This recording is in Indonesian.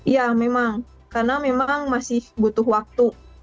ya memang karena memang masih butuh waktu